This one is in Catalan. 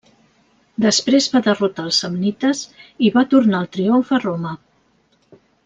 Després va derrotar els samnites i va tornar en triomf a Roma.